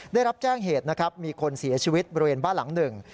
ได้รับแจ้งเหตุนะครับมีคนเสียชีวิตบริเวณบ้านหลังหนึ่ง